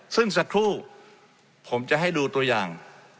ซึ่งสักครู่ผมจะให้ดูตัวอย่าง